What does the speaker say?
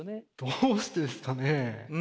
どうしてですかね？